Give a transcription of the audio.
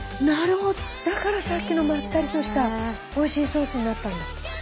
なるほどだからさっきのまったりとしたおいしいソースになったんだ。